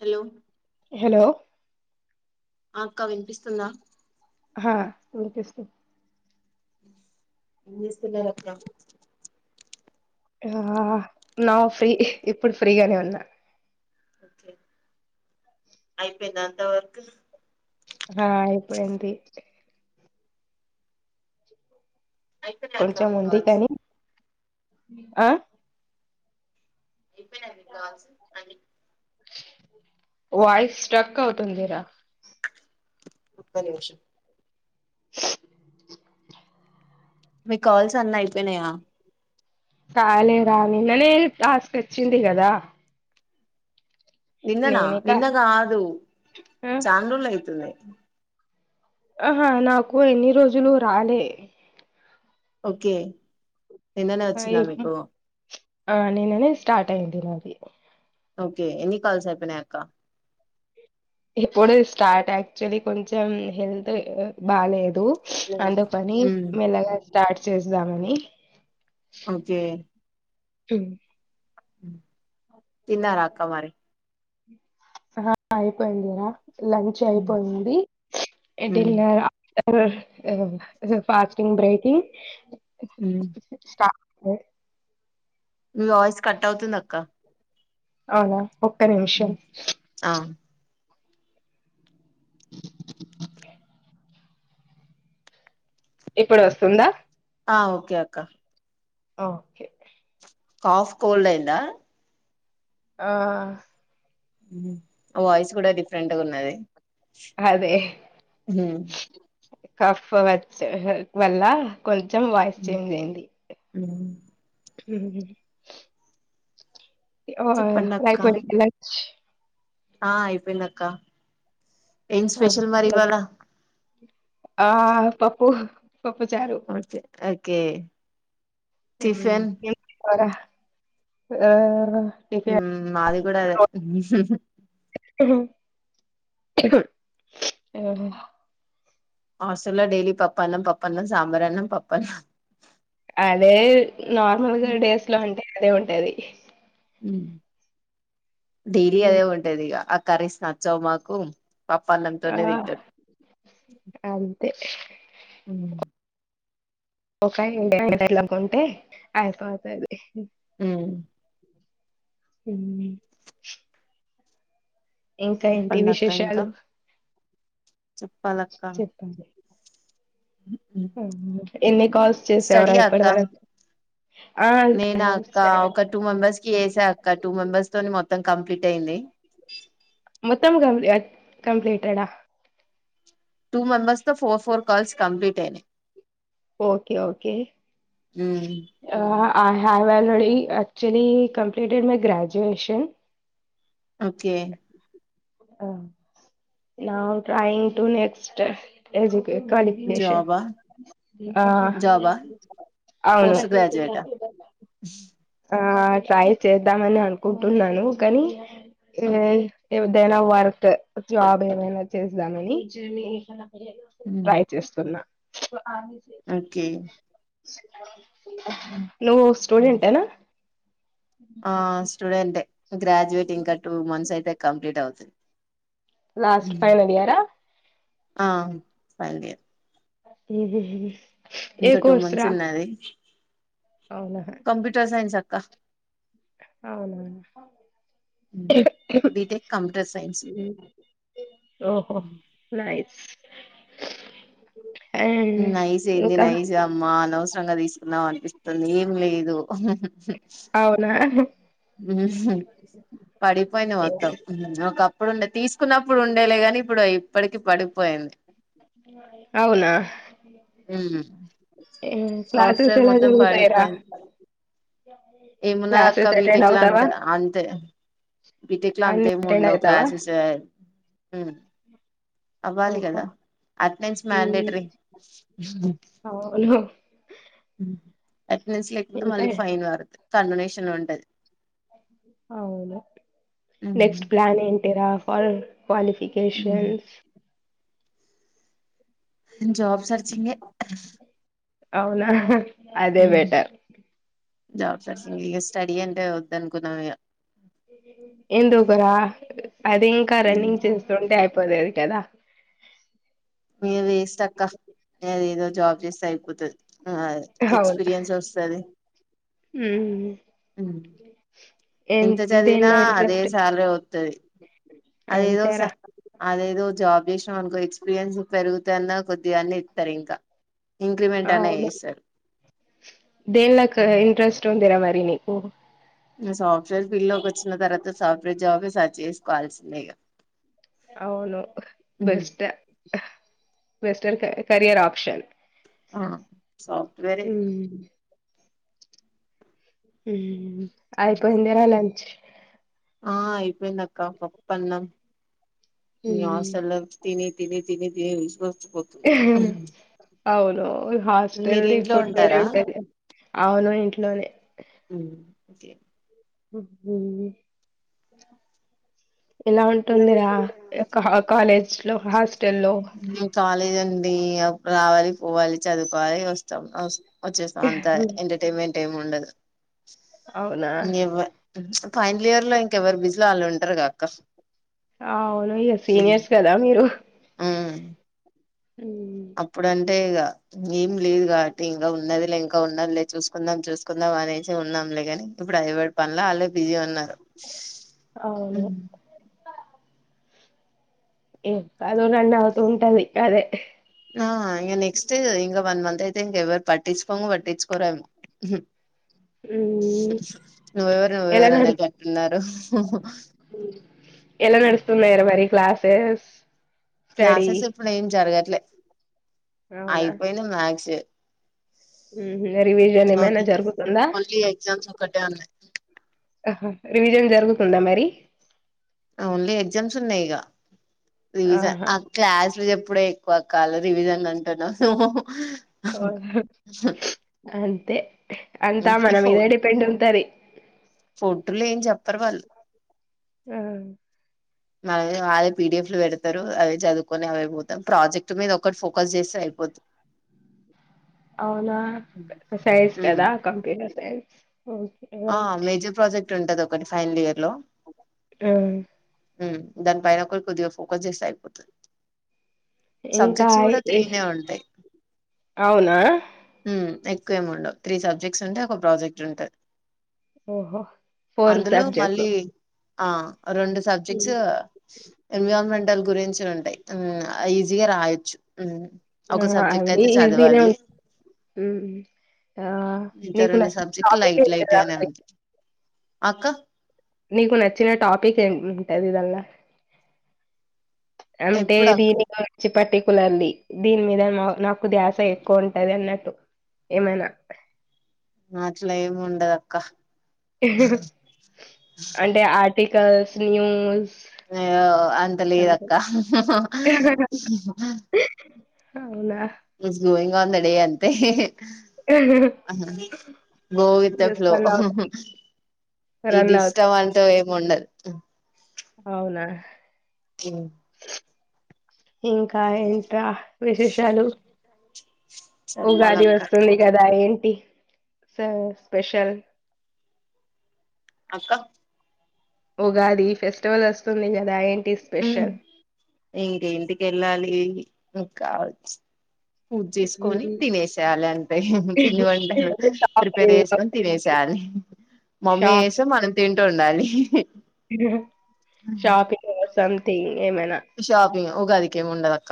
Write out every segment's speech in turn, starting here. Hello hello అ అక్క వినిపిస్తుందా హా వినిపిస్తూ ఏం చేస్తున్నరు అక్క అహహ నౌ ఫ్రీ ఇప్పుడు ఫ్రీగానే ఉన్నా అయిపోయింద అంత వర్క్ ఆ ఇప్పుడే అయింది అయిపోయినాయి అక్క కొంచెం మీ ఉంది కాల్స్ కానీ ఆ ఇప్పుడే అయినాయి కాల్స్ అన్ని వాయిస్ స్ట్రక్ అవుతుందిరా ఒక్క నిమిషం మీ కాల్స్ అన్ని అయిపోయినాయా కాలే రా నిన్ననే టాస్క్ అచ్చింది కదా నిన్ననా నేనే కా నిన్న గాదు ఆ చాలారోజులు అయితుంది ఆహా నాకు ఎన్ని రోజులు రాలే ఓకే నిన్ననే ఆ వచ్చింద ఇప్- మీకు ఆ నిన్ననే స్టార్ట్ అయింది నాది ఓకే ఎన్ని కాల్స్ అయిపోయినాయి అక్క ఇప్పుడే స్టార్ట్ యాక్చువలీ కొంచెం హెల్త్ బాలేదు అందుకని ఉమ్ మెల్లగా స్టార్ట్ చేస్దామని ఓకే [unintelligible] అ తిన్నారక్క మరి [inaudible] అయిపోయిందిరా లంచ్ ఉమ్ అయిపోయింది. ఉమ్ డిన్నర్ ఫాస్టింగ్ బ్రేకింగ్ మ్మ్ స్టార్ట్ నాయిస్ కట్ అవుతుంది అక్క అవునా ఒక్క నిమిషం ఆ ఇప్పుడు వస్తుందా ఆ ఓకే అక్క ఓకే కాఫ్ కోల్డ్ అయిందా ఆ వాయిస్ కూడా డిఫరెంట్గా ఉన్నది క్కాఫ్ వచ్చ వల్ల కొంచ చం వాయిస్ చేంజ్ అయింది మ్మ్ ఓహొ చెప్పండి అక్క అయిపోయిందా లంచ్ ఆ అయిపోయిందక్క ఏం స్పెషల్ మరి ఇవాళ ఆ పప్పు పప్పుచారు కే మ్మ్ అరా మాది కూడా అదే [unintelligible] హస్టల్లో డైలీ పప్పన్నం పప్పన్నం, సాంబారన్నమ్ పప్పన్నం అదే నార్మల్గా డేస్ లో అంటే అదే ఉంటాది మ్మ్ డైలీ అదే ఉంటది ఇక ఆ కరీస్ నచ్చవు మాకు పప్పన్నం తోనే ఆ తింటా అంతే ఒకసారి [inaudible] అనుకుంటే అయిపోతాది మ్మ్ మ్మ్ ఇంకా ఏంటి చెప్పండి అక్క ఇంకా విశేషాలు చెప్పాలక్క చెప్పాలి ఎన్ని కాల్స్ చేశావు స్టడీ రా ఇప్పటి అక్క వరకు ఆ నేనా అక్క ఒక టూ మెంబర్స్ కి చేసా అక్క టూ మెంబెర్స్ తోని మొత్ త్తం కంప్లీట్ అయింది మొత్తం కంప్ కంప్లీటెడా టూ మెంబర్స్ తో ఫోర్ ఫోర్ కాల్స్ కంప్లీట్ అయినాయి okay okay um, ah I have already actually completed my graduation okay now trying to next ed qualification జాబా ఆ జాబా అవును పోస్ట్ గ్రాడ్యుయేటా ఆ ట్రై చేద్దామని అనుకుంటున్నాను కానీ ఏదైనా వర్క్ జాబ్ ఏమైనా చేద్దామని ఉమ్, ట్రై చేస్తున్నా ఆది ఓకే అ నువ్వు స్టూడెంటేనా ఆ స్టూడెంటే గ్రాడ్యుయేట్ ఇంకా టూ మంత్స్ అయితే కంప్లీట్ అవుతది లాస్ట్ ఫైనల్ ఇయరా ఆ ఫైనలియర్ మ్మ్ హ్మ్మ్ ఇంకా టూ మంత్స్ ఉన్నది అవునా కంప్యూటర్ సైన్స క్క అవున బీటెక్ కంప్యూటర్ సైన్స్ ఓహో నయి అండ్ నైస్ అయింది ఇంకా నైస్ అమ్మా అనవసరంగా తీసుకున్నాం అనిపిస్ తంది ఏం లేదు అవునా పడిపోయింది మొత్తం ఒకప్పుడు ఉండే తీసుకున్నప్పుడు ఉండేలేగాని ఇప్పుడు ఇప్పటికి పడిపోయింది అవునా ఉమ్ అ సాఫ్ట్వేర్ మొత్తం పడిపోయింది. ఏమున్నది అక్క క్లాసెస్ అటెండ్ బీటెక్ ల అవుతావా అంతే అంతే. బిటెక్ ల అన్ని అంతేమ్ అటెండ్ ఉండవు అవుతావా క్లాసెస్ జ, ఉమ్ అవ్వాలి ఓహో కదా? అటెండెన్స్ మ్మ్. మ్యాండేటరీ. అవును ఉమ్ అటెండెన్స్ లేకపోతే ఇంకా మళ్ళీ ఫైన్ పడ్తది, కండోనేషన్. ఉంటద్ అవును, నెక్స్ట్ ప్లాన్ ఏంట్ టిరా ఫల్ క్వాలిఫికెషన్స్ జాబ్ సర్చింగే అవునా అదే బెటర్ జాబ్ సెర్చింగ్, ఇగ స్టడీ అన్ టే వద్దనుకున్నమిగ. ఎందుకురా? అది ఇంకా రన్నింగ్ ఇక చేస్తుంటే అయిపోతది. కదా ఏ వేస్ట్ అక్క, అదేదో జాబ్ చేస్తే అయిపోతది. ఆ అవును ఎక్స్పీరియన్స్ వస్తది. ఏ ఎంత చదివినా దేనిలో అదే ఇంట్రెస్ట్ సాలరి ఒత్తది, అదేదో స అంతేరా అదేదో ఓ జాబ్ చేసినమ్ అనుకో, ఎక్స్పీరియన్స్ పెరుగుతేఅన్నా, కొద్ది అన్న ఇత్తరు ఇంకా. ఇంక్రిమెంట్ అన్నా అవును, చేస్తారు దేన్లేక్కువ ఇంట్రెస్ట్ ఉందిర మరి? ది నీకు? గ సాఫ్ట్వేర్ ఫీల్డ్ లోకి వచ్చిన తర్వాత, సాఫ్ట్వేర్ జాబే సర్చ్ చేసుకోవాల్సిందే ఇగ. అవును బెస్ట్, బెస్టరికా కెరియర్ ఆప్షన్. ఆ, సాఫ్ట్వేరె ఇగ. ఉమ్ అయిపోయిందరా లంచ్? ఆ అయిపోయిందక్కా పప్పన్నం. ఇగ ఉమ్ హాస్టళ్ల తిని తిని [unintelligible] ఓకే అవును హాస్టల్ ఇప్పుడు ఉంటారా [inaudible] అవును ననే ఓకే ఉమ్ ఇలా ఎలా ఉంటుందిరా వెళ్తుంది కాలేజ్ లో హాస్టల్ లో నా కాలేజ్ అండి రావాలి చదువుకోవాలి వస్తాం వచ్చేస్తామంతా ఎంటర్టైన్మెంట్ ఏమి ఉండదు అవునా ఎవ ఫైనల్ ఇయర్ లో ఇంకెవరు బిజిలో వాళ్ళు ఉంటారు కదక్క ఆ లోయర్ సీనియర్స్ కదా మీరు అప్పుడం ఏం లేదు కాబట్టి ఇంకా ఉన్నది లే ఉండరులే చూసుకుందాం చూసు కుందాం అనేసి ఉన్నాం లేగానీ, ఇప్పుడు ఎవరి పనులో వాళ్ళే బిజీ ఉన్నారు అవును మ్మ్ [unintelligible] అవుతూ ఉంటది అదే ఆ ఇగ నెక్స్ట్ ఇక వన్ మంత్ అయిత ఇంకెవరు పట్టించుకోను పట్టించుకోరేమో ఉమ్ నువ్వెవరు ఎలా నువ్వెవరు నడు అనేటట్టున్నారు శేస్ క్లాసెస్ ఇప్పుడు ఏం జరగదు అవునా అయిపోయినాయి మాక్స్ రివిజన్ ఏమైనా జరుగుతుందా ఓన్లీ ఎగ్జామ్స్ ఒకటే ఉన్నాయి రివిజన్ జరుగుతుందా మరి ఓన్లీ ఎగ్జామ్స్ ఉన్నాయి ఇగా రివిజన్ ఆహా ఆ క్లాస్లు చెప్ ఇప్పుడే ఎక్కువ కాల రివిజన్ అంటున్నావ్ అ తే అంతా మన మీద డిపెండ్ ఉంటది ఫోట్లు ఏం చెప్పరు వాళ్ళు ఆ మళ్ వాళ్ళే పీడిఎఫ్ లో పెడతారు అవి చదువుకొని అవి పోతాం ప్రాజెక్ట్ మీద ఒకటి ఫోకస్ చేస్తే అయిపోద్ది అవునా సైన్స్ కదా కంప్యూటర్ సైన్స్ ఓకే రైట్ ట్ ఉంటది ఒకటి ఫైనల్ ఇయర్ లో ఆ మ్మ్ దాని పైన ఒకటి కొద్దిగా ఫోకస్ చేస్తే అయిపోతది ఇంకా అయ్ ఏయ్ ఉంటాయి కు ఏం ఉండవు త్రీ సబ్జెక్ట్స్ ఉంటాయ్ ఒక ప్రాజెక్ట్ ఉంటది ఓహో ఫోర్ అందులో సబ్జెక్ట్ మళ్ళీ ఆ రొండు సబ్జెక్ట్స్ ఎన్విరాన్మెంటల్ గురించి ఉంటాయి మ్మ్ ఆ ఈజీగ రాయచ్చు ఆ ఈజీనే ఉంట మ్మ్ ఆ నీకు నేను టాపిక్ ఇస్తా టీగనే ఉంట్ అక్క నీకు నచ్చిన టాపిక్ ఏంఉంటది ఇదల్ల అంటే ఎప్పుడు అక్క దీని వచ్చి పట్టికు కులంది దీని మీద నాకు ధ్యాస ఎక్కువ ఉంటది అన్నట్టు ఏమైనా అట్లా ఏమి ఉండదు అక్క అంటే ఆ టికల్స్ న్యూస్ ఆ అంతలేదక్క అవునా his going on the day అంతే go with the just flow run అవుతాయి ఇది రన్ అవుతాయి ఇష్టం అంటూ ఏమి ఉండదు అ అవునా ఉమ్, ఇంకా ఇన్ విశేషాలు ఉగాది చెప్పాలక్క వస్తుంది కదా ఏంటి స లీ ఈ స్పెషల్ అక్క ఉగాది ఫెస్టివల్ వస్తుంది కదా ఏంటి ఉమ్ స్పెషల్ ఇంక ఇంటికి వెళ్ళాలి ఇంక కావచ్చ పూజ చేసుకొని తినేసేయాలి అంతే పిన్ని వంటలు ప్రిపేర్ చేసుకొని తినేసేయాలి మమ్మీ షాప్ వేస్తే మనం తింటూ ఉండాలి షాప్ ఇంక మూస్తాంది ది ఏమైన ఉగాది కె ఉండదక్క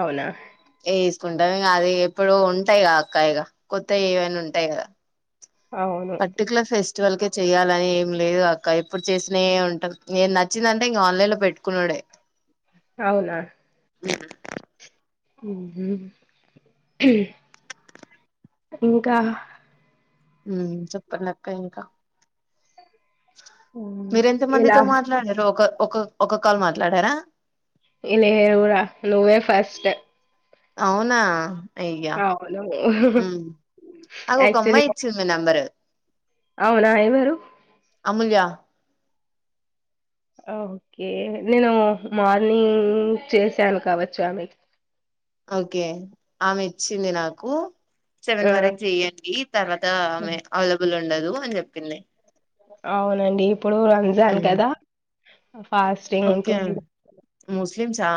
అవున ఏసుకుంటాం ఇంకా అది ఎప్పుడు ఉంటాయి క అక్కయిక కొత్తవి ఏవనా ఉంటాయి కదా అవును ట్వల్కె చేయాలని ఏం లేదు అక్క ఇప్పుడు చేసిన ఉంటరు నేను నచ్చిందంటే ఇంకా ఆన్లైన్ లో పెట్టు అవున ఉ ఇంక ఉమ్ చెప్పండక్క ఇంకా మ్మ్. మీరు ఎంత ఇలా మందితో మాట్లాడరు ఒక ఒక ఒక కాల్ మాట్లాడార ఇ నేన్ గుడ నువ్వే ఫస్ట్ అవునా అయ్యా అవును ఉమ్ అగొక యాక్చువల్లీ అమ్మాయి ఇచ్చింది మీ నంబరు అవునా ఏవరు అముల్య ఓకె నేను మార్నింగ్ చేసాను కావచ్చు ఆమె ఓకే ఆమె ఇచ్చింది నాకు సెవెన్ ఆ వరక్ చేయ్యండి తర్వాత ఆమె అవైలబుల్ ఉ ఉండదు అని చెప్పింది అవునండి ఇప్పుడు రంజాన్ ఉమ్ కదా ఫాస్టింగ్ ఓకే ఉంటుంది ముస్లిమ్సా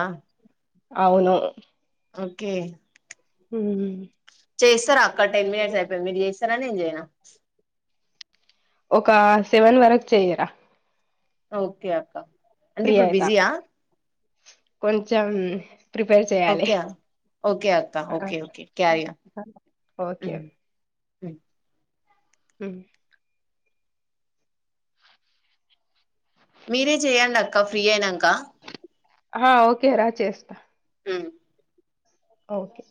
అవును ఓకె హుమ్ చేస్తరా అక్క టెన్ మినిట్స్ అయిపోయి మీరు చేస్తరా నేను చేయనా ఒక సెవెన్ వరక్ చెయ్యర ఓకే అక్క అంటే ఇప్పుడు బిజియ కొంచం ఓకే ఓకే అత్త ఆ okay K carry on okay. స హుమ్ మీరే చేయ్యండఅక్క ఫ్రీ అయినాక ఆ ఓకే రా చేస్తా హుమ్ ఓకె